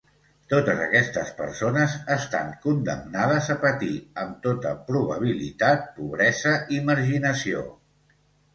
Totes aquestes persones estan condemnades a patir, amb tota probabilitat, pobresa i marginació.